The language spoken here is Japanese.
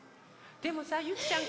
でもさゆきちゃん